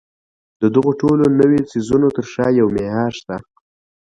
د دغو ټولو نويو څيزونو تر شا يو معيار شته.